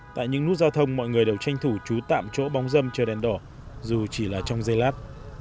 tại những nút giao thông mọi người đều tranh thủ trú tạm chỗ bóng dâm chơi đèn đỏ dù chỉ là trong dây lát